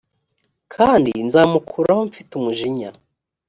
kandi nzamukuraho mfite umujinya